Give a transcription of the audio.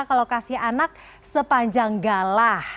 kalau kasih anak sepanjang galah